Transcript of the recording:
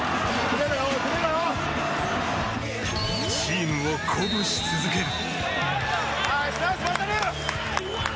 チームを鼓舞し続ける。